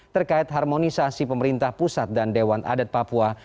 terkait harmonisasi pemerintah pusat dan dewan adat papua